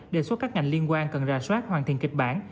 đề xuất các ngành liên quan cần ra soát hoàn thiện kịch bản